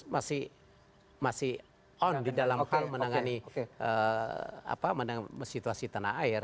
masih on di dalam hal menangani situasi tanah air